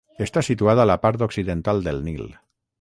Està situada a la part occidental del Nil.